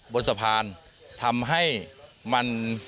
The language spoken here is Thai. บนสะพานทำให้มัน